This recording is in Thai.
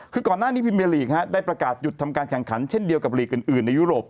คือก่อนหน้านี้พิมเมียลีกได้ประกาศหยุดทำการแข่งขันเช่นเดียวกับลีกอื่นในยุโรป